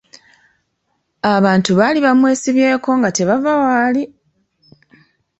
Abantu baali bamwesibyeko nga tebava waali!